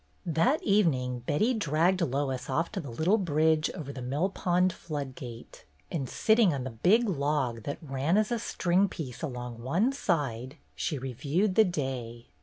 That evening Betty dragged Lois off to the little bridge over the mill pond flood gate, and sitting on the big log that ran as a string piece along one side, she reviewed the day.